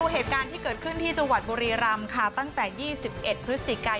เหตุการณ์ที่เกิดขึ้นที่จังหวัดบุรีรำค่ะตั้งแต่๒๑พฤศจิกา